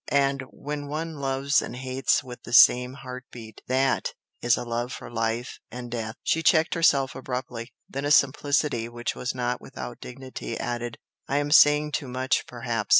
and when one loves and hates with the same heart beat, THAT is a love for life and death!" She checked herself abruptly then with a simplicity which was not without dignity added "I am saying too much, perhaps?